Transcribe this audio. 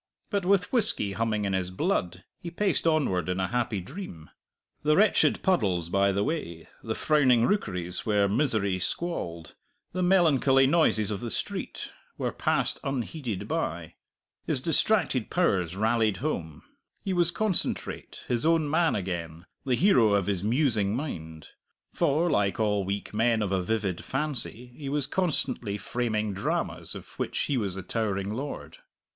But with whisky humming in his blood he paced onward in a happy dream. The wretched puddles by the way, the frowning rookeries where misery squalled, the melancholy noises of the street, were passed unheeded by. His distracted powers rallied home; he was concentrate, his own man again, the hero of his musing mind. For, like all weak men of a vivid fancy, he was constantly framing dramas of which he was the towering lord.